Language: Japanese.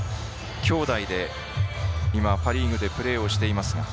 兄弟でパ・リーグでプレーしています。